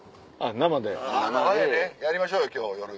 生でねやりましょうよ今日夜。